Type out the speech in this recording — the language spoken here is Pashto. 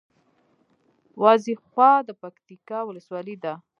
وازېخواه د پکتیکا ولسوالي ده